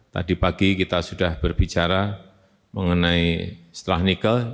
tadi pagi kita sudah berbicara mengenai setelah nikel